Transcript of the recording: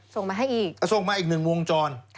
ส่งมาให้อีกส่งมาอีกหนึ่งวงจร